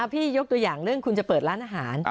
ยกตัวอย่างเรื่องคุณจะเปิดร้านอาหาร